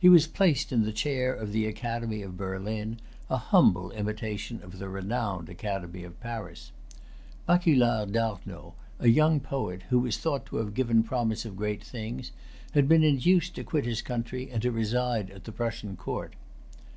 He was placed in the Chair of the Academy of Berlin, a humble imitation of the renowned Academy of Paris. Baculard d'Arnaud, a young[Pg 280] poet who was thought to have given promise of great things, had been induced to quit his country, and to reside at the Prussian Court.